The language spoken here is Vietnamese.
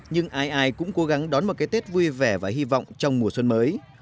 nhưng ai ai cũng cố gắng đón một cái tết vui vẻ và hy vọng trong mùa xuân mới